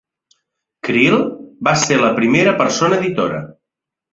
Creel va ser la primera persona editora.